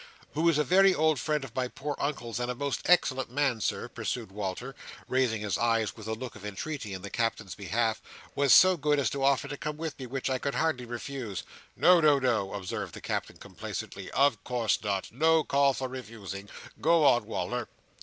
"Who is a very old friend of my poor Uncle's, and a most excellent man, Sir," pursued Walter, raising his eyes with a look of entreaty in the Captain's behalf, "was so good as to offer to come with me, which I could hardly refuse." "No, no, no;" observed the Captain complacently. "Of course not. No call for refusing. Go on, Wal"r."